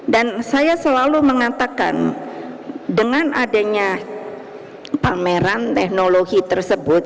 dan saya selalu mengatakan dengan adanya pameran teknologi tersebut